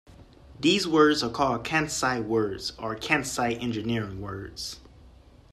These words are called "Kansei words" or "Kansei Engineering words".